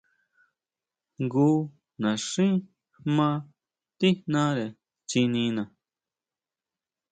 Jngu naxín jmá tíjnare tsinina.